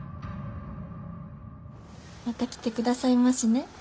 また来て下さいましね。